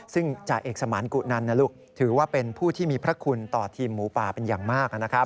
ซึ่งจ่าเอกสมานกุนันลูกถือว่าเป็นผู้ที่มีพระคุณต่อทีมหมูป่าเป็นอย่างมาก